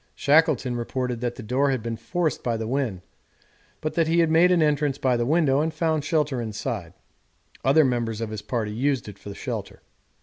Shackleton reported that the door had been forced by the wind, but that he had made an entrance by the window and found shelter inside other members of his party used it for shelter.